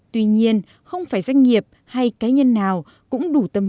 tuy nhiên không phải doanh nghiệp hay cá nhân nào cũng đủ tâm